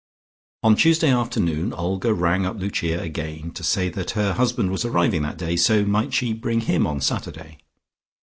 On Tuesday afternoon Olga rang up Lucia again to say that her husband was arriving that day, so might she bring him on Saturday?